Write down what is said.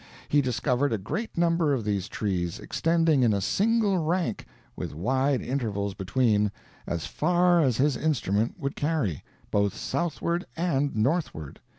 He discovered a great number of these trees, extending in a single rank, with wide intervals between, as far as his instrument would carry, both southward and northward.